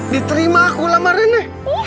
diterima aku lah maren ya